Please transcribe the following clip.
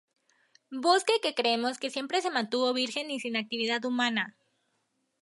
bosque que creemos que siempre se mantuvo virgen y sin actividad humana